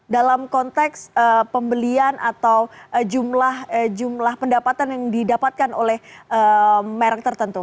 dalam konteks pembelian atau jumlah pendapatan yang didapatkan oleh merek tertentu